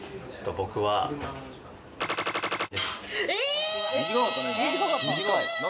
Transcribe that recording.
僕は○○です。